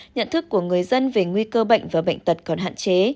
nhận thức của người dân về nguy cơ bệnh và bệnh tật còn hạn chế